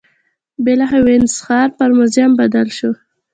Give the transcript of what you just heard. بالاخره وینز ښار پر موزیم بدل شو